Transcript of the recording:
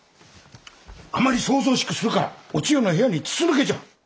あまり騒々しくするからお千代の部屋に筒抜けじゃ。